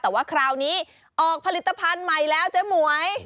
แต่ว่าคราวนี้ออกผลิตภัณฑ์ใหม่แล้วเจ๊หมวย